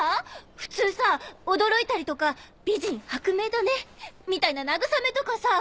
普通さ驚いたりとか「美人薄命だね」みたいな慰めとかさ